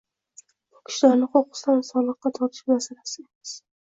bu kishilarni qo‘qqisdan soliqqa tortish masalasini emas